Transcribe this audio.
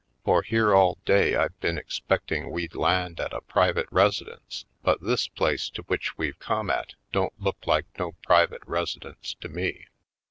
For here all day I've been expecting we'd land at a private residence but this place to which we've come at don't look like no private residence to me.